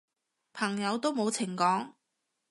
朋友都冇情講